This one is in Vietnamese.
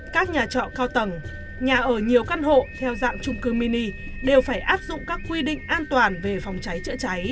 các nhà trọ cao tầng nhà ở nhiều căn hộ theo dạng trung cư mini đều phải áp dụng các quy định an toàn về phòng cháy chữa cháy